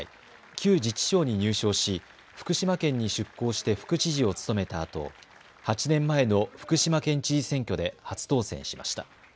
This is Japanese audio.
旧自治省に入省し福島県に出向して副知事を務めたあと８年前の福島県知事選挙で初当選しました。